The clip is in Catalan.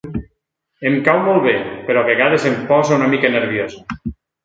Em cau molt bé, però a vegades em posa una mica nerviosa.